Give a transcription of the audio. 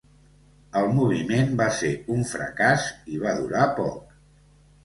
El moviment va ser un fracàs, i va durar poc.